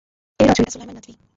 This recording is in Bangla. এর রচয়িতা সুলাইমান নদভী।